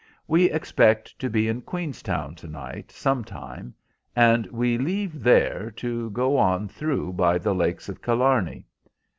We expect to be at Queenstown to night some time, and we leave there and go on through by the Lakes of Killarney.